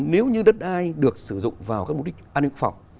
nếu như đất ai được sử dụng vào cái mục đích an ninh quốc phòng